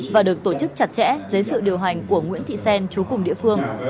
và được tổ chức chặt chẽ dưới sự điều hành của nguyễn thị xen trú cùng địa phương